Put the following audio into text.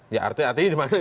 iya sih pasti bisa ada jalan